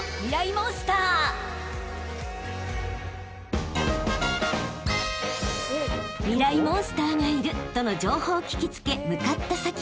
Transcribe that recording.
モンスターがいるとの情報を聞き付け向かった先は］